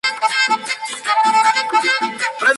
La cual, a su vez fue comprada por Yahoo!.